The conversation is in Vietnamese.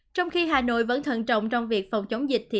trong khi hà nội vẫn thận trọng trong việc phòng chống dịch